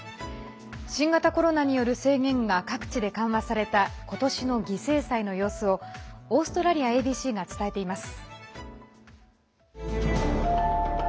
新型コロナによる制限が各地で緩和された今年の犠牲祭の様子をオーストラリアＡＢＣが伝えています。